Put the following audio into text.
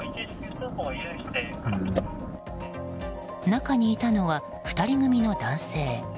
中にいたのは２人組の男性。